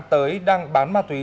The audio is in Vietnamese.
tới đang bán ma túy